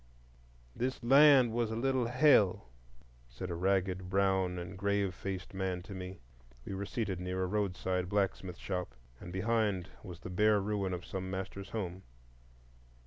"This land was a little Hell," said a ragged, brown, and grave faced man to me. We were seated near a roadside blacksmith shop, and behind was the bare ruin of some master's home.